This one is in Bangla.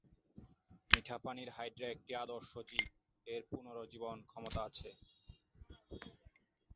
মিঠাপানির হাইড্রা একটি আদর্শ জীব, এর পুনরুজ্জীবন ক্ষমতা আছে।